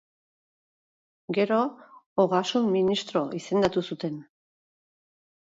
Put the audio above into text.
Gero, Ogasun ministro izendatu zuten.